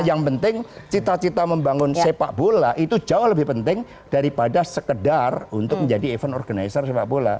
yang penting cita cita membangun sepak bola itu jauh lebih penting daripada sekedar untuk menjadi event organizer sepak bola